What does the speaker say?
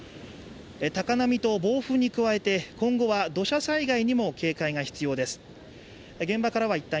高波と暴風に加えて今後は土砂災害にも警戒が必要です。